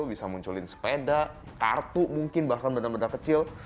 bisa munculin sepeda kartu mungkin bahkan benar benar kecil